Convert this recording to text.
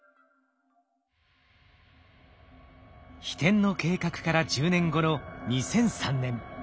ひてんの計画から１０年後の２００３年。